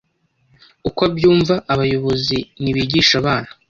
uko abyumva abayobozi nibigishe abana